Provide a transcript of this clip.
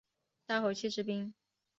待会去吃冰